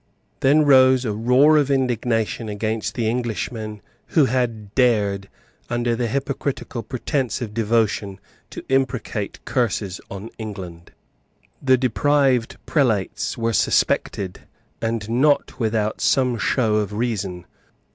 Then rose a roar of indignation against the Englishmen who had dared, under the hypocritical pretence of devotion, to imprecate curses on England. The deprived Prelates were suspected, and not without some show of reason.